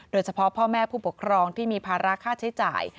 โดยเฉพาะพ่อแม่ผู้ปกครองที่มีภาระค่าใช้จ่าย